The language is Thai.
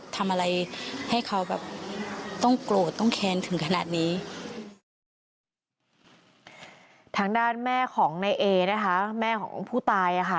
ทางด้านแม่ของในเอนะคะแม่ของผู้ตายนะคะ